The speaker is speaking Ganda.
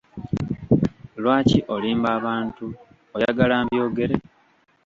Lwaki olimba abantu oyagala mbyogere?